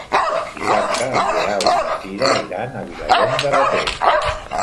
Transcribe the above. Dissabte en Guerau i na Cira iran a Vilallonga de Ter.